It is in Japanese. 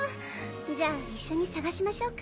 じゃあ一緒に捜しましょうか